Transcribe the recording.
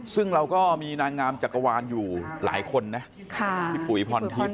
ซึ่งเราก็มีนางงามจักรวาลอยู่หลายคนนะพี่ปุ๋ยพรทิพย